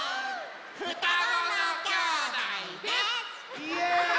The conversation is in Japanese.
ふたごのきょうだいです！